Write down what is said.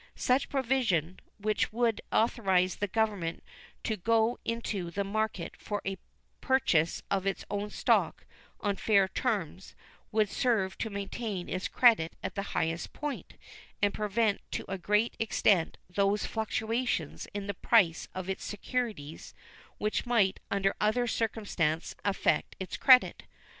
Such provision, which would authorize the Government to go into the market for a purchase of its own stock on fair terms, would serve to maintain its credit at the highest point and prevent to a great extent those fluctuations in the price of its securities which might under other circumstances affect its credit.